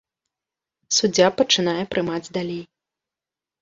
Суддзя пачынае прымаць далей.